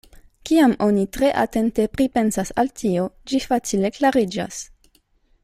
Kiam oni tre atente pripensas al tio, ĝi facile klariĝas.